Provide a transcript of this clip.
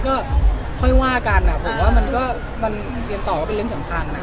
ก็ค่อยว่ากันอ่ะผมว่ามันก็เป็นเรื่องสำคัญนะ